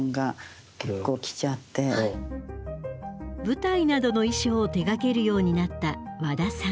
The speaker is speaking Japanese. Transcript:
舞台などの衣装を手がけるようになったワダさん。